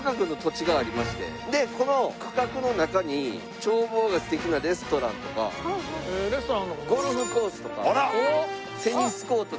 この区画の中に眺望が素敵なレストランとかゴルフコースとかテニスコートとか。